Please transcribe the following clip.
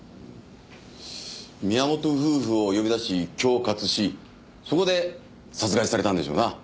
宮本夫婦を呼び出し恐喝しそこで殺害されたんでしょうな。